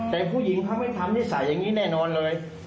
แต่ผู้หญิงเขาไม่ทำนิสัยอย่างนี้แน่นอนเลย